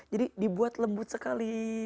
jadi dibuat lembut sekali